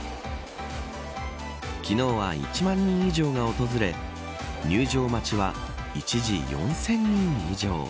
昨日は１万人以上が訪れ入場待ちは一時４０００人以上。